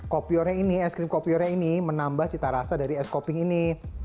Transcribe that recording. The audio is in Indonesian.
kopiornya ini es krim kopiornya ini menambah cita rasa dari es kopi ini